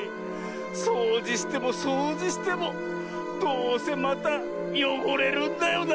そうじしてもそうじしてもどうせまたよごれるんだよな。